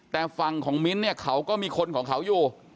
แต่ฝั่งของมิ้นท์เนี่ยเขาก็มีคนของเขาอยู่